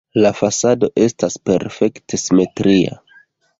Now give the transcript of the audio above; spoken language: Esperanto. La fasado estas perfekte simetria.